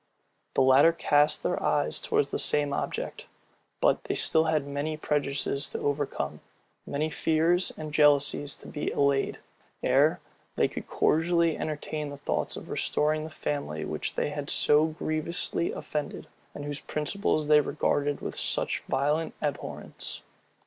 The latter cast their eye towards the same object; but they had still many prejudices to overcome, many fears and jealousies to be allayed, ere they could cordially entertain thoughts of restoring the family which they had so grievously offended, and whose principles they regarded with such violent abhorrence.